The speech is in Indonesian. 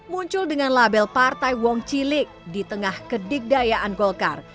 muncul dengan label partai wong cilik di tengah kedikdayaan golkar